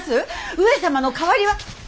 上様の代わりは。